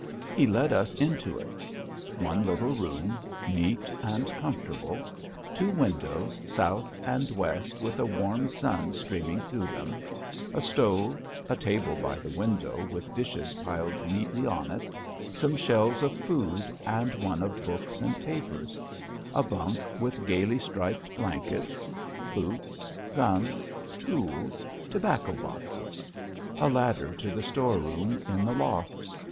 He led us into it. One little room, neat and comfortable; two windows south and west with the warm sun streaming through them; a stove, a table by the window with dishes piled neatly on it; some shelves of food and one of books and papers; a bunk with gaily striped blankets; boots, guns, tools, tobacco boxes; a ladder to the store room in the loft.